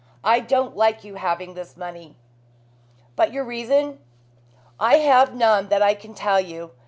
I don't like you having this money." "But your reason?" "I have none that I can tell you.